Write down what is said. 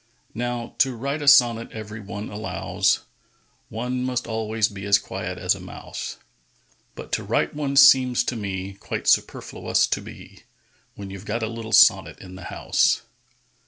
Now, to write a sonnet, every one allows, One must always be as quiet as a mouse; But to write one seems to me Quite superfluous to be, When you 've got a little sonnet in the house.